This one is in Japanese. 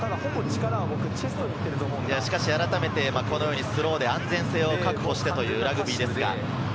しかし、改めてこのようにスローで安全性を確保してというラグビーです。